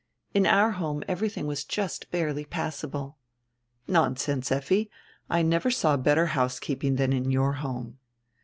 In our home everything was just barely passable." "Nonsense, Effi. I never saw better house keeping than in your home."